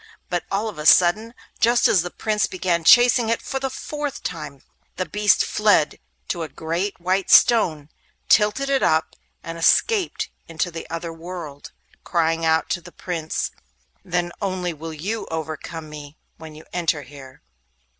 But all of a sudden, just as the Prince began chasing it for the fourth time, the beast fled to a great white stone, tilted it up, and escaped into the other world, crying out to the Prince: 'Then only will you overcome me, when you enter here.